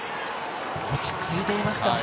落ち着いていました。